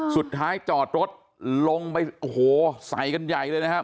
สุดท้ายจอดรถลงไปโอโหไสกันใหญ่เลยนะครับ